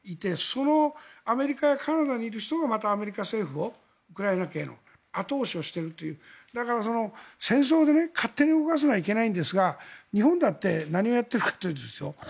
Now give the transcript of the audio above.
そのアメリカやカナダにいる人がアメリカ政府ウクライナの後押しをしているだから、戦争で勝手に動かすのはいけないんですが日本だって何もやっていないんですよ。